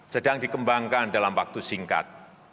sedang dikembangkan dalam waktu singkat